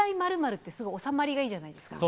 ○○ってすごい収まりがいいじゃないですか。